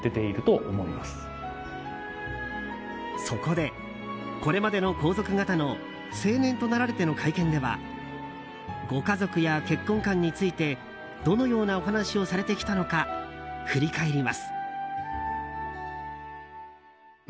そこで、これまでの皇族方の成年となられての会見ではご家族や結婚観についてどのようなお話をされてきたのか振り返ります。